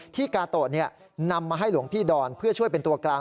กาโตะนำมาให้หลวงพี่ดอนเพื่อช่วยเป็นตัวกลาง